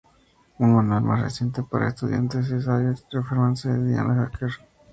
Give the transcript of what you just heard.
Un manual más reciente para estudiantes es A Writer's Reference de Diana Hacker".